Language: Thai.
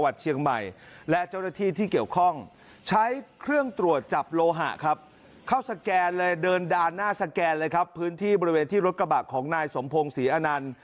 เดินด้านหน้าสแกนเลยครับพื้นที่บริเวณที่รถกระบะของนายสมพงศ์ศรีอนันทร์